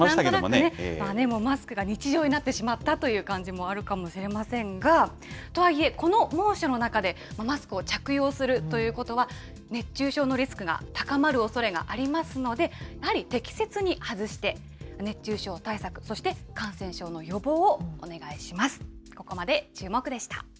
でもマスクが日常になってしまったという感じもあるかもしれませんが、とはいえ、この猛暑の中で、マスクを着用するということは、熱中症のリスクが高まるおそれがありますので、やはり適切に外して熱中症対策、そして、感染症の予防をお願いします。